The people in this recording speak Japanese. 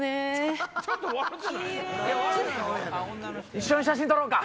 一緒に写真撮ろうか。